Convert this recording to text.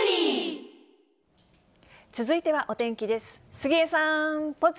続いてはお天気です。